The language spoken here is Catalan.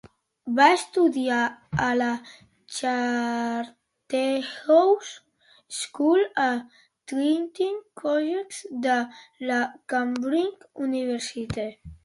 Va estudiar a la Charterhouse School i al Trinity College de la Cambridge University.